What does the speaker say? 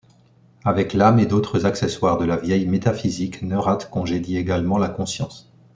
Avec l'âme et d'autres accessoires de la vieille métaphysique, Neurath congédie également la conscience.